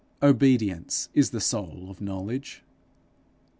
Obedience is the soul of knowledge.